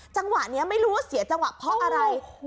จังหวะนี้ไม่รู้ว่าเสียจังหวะเพราะอะไร